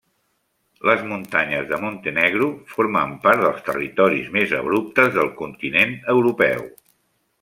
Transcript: Les muntanyes de Montenegro formen part dels territoris més abruptes del continent europeu.